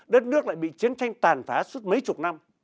đất nước lại bị chiến tranh tàn phá suốt mấy chục năm